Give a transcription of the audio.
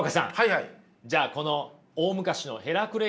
はい。